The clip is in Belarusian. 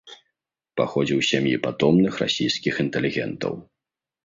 Паходзіў з сям'і патомных расійскіх інтэлігентаў.